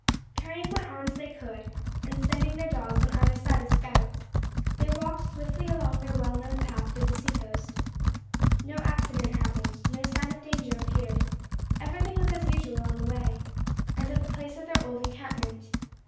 Carrying what arms they could, and sending their dogs on either side as scouts, they walked swiftly along their well known path to the seacoast. No accident happened, no sign of danger appeared; everything was as usual on the way, and at the place of their old encampment.